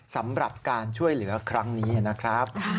สำหรับการช่วยเหลือครั้งนี้นะครับ